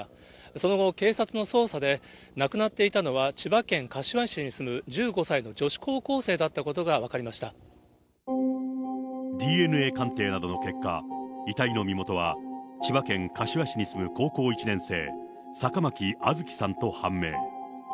その後、警察の捜査で、亡くなっていたのは千葉県柏市に住む１５歳の女子高校生だったこＤＮＡ鑑定などの結果、遺体の身元は千葉県柏市に住む高校１年生、坂巻杏月さんと判明。